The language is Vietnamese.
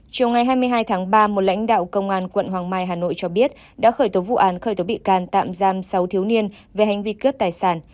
chiều ngày hai mươi hai tháng ba một lãnh đạo công an quận hoàng mai hà nội cho biết đã khởi tố vụ án khởi tố bị can tạm giam sáu thiếu niên về hành vi cướp tài sản